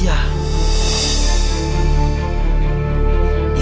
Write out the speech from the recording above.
kita menyamar guru silat aja